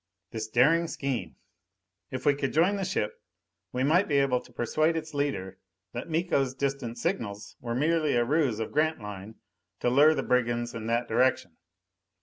This daring scheme! If we could join the ship, we might be able to persuade its leader that Miko's distant signals were merely a ruse of Grantline to lure the brigands in that direction.